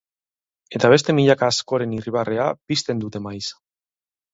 Eta beste milaka askoren irribarrea pizten dute maiz.